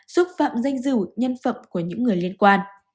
xúc phạm danh dự nhân phẩm của những người liên quan